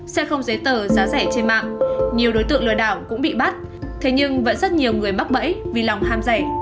xe không giấy tờ giá rẻ trên mạng nhiều đối tượng lừa đảo cũng bị bắt thế nhưng vẫn rất nhiều người mắc bẫy vì lòng ham rẻ